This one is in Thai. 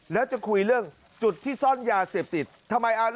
ลืมนะจะคุยเรื่องจุดที่ซ่อนยาเสติดทำไมแล้ว